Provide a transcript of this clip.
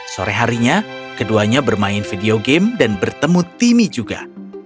sore harinya keduanya bermain video game dan bertemu timmy juga